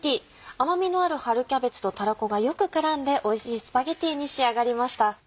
甘みのある春キャベツとたらこがよく絡んでおいしいスパゲティに仕上がりました。